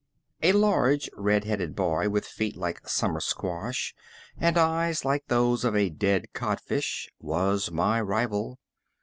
A large red headed boy, with feet like a summer squash and eyes like those of a dead codfish, was my rival.